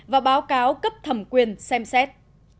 và báo cáo cấp thẩm quyền xem xét